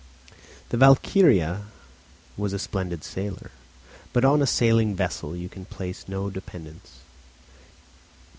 The Valkyria was a splendid sailer, but on a sailing vessel you can place no dependence.